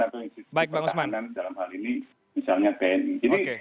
atau institusi pertahanan dalam hal ini misalnya tni